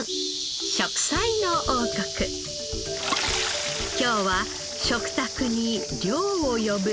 『食彩の王国』今日は食卓に涼を呼ぶ。